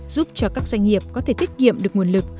giúp cho các doanh nghiệp có thể tiết kiệm được nguồn lực